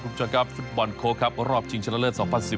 คุณผู้ชมครับฟุตบอลโค้กครับรอบชิงชนะเลิศ๒๐๑๘